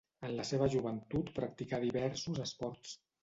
En la seva joventut practicà diversos esports.